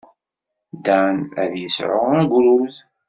Dan ad d-yesɛu agrud.